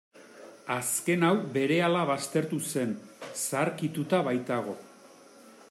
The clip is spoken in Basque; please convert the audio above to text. Azken hau berehala baztertu zen, zaharkituta baitago.